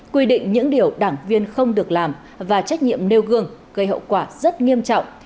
quy định những điều đảng viên không được làm và trách nhiệm nêu gương gây hậu quả rất nghiêm trọng